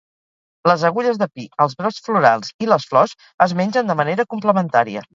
Les agulles de pi, els brots florals i les flors es mengen de manera complementària.